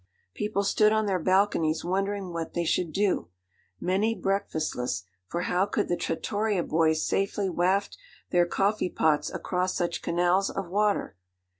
People stood on their balconies wondering what they should do, many breakfastless; for how could the trattoria boys safely waft their coffee pots across such canals of water?